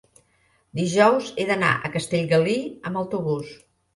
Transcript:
dijous he d'anar a Castellgalí amb autobús.